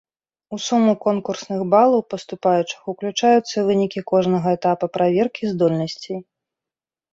У суму конкурсных балаў паступаючых уключаюцца вынікі кожнага этапа праверкі здольнасцей.